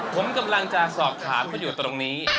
ผมกำลังจะสอบถามเขาอยู่ตรงนี้